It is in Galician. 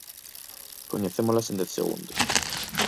Coñecémolas en dez segundos.